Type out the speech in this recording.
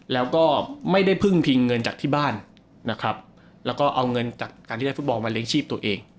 แล้วก็ไม่ได้พึ่งพิงเงินจากที่บ้านนะครับแล้วก็เอาเงินจากการที่ได้ฟุตบอลมาเลี้ยงชีพตัวเอง